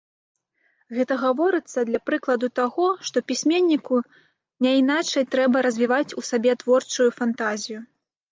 Гэта гаворыцца для прыкладу таго, што пісьменніку няйначай трэба развіваць у сабе творчую фантазію.